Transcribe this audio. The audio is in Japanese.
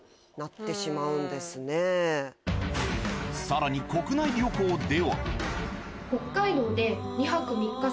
更に国内旅行では。